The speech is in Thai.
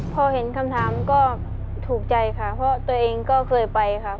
พอเห็นคำถามก็ถูกใจค่ะเพราะตัวเองก็เคยไปค่ะ